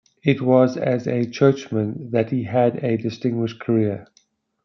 It was as a churchman that he had a distinguished career.